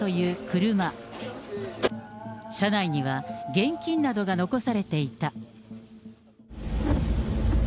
車内には、現金などが残されていた。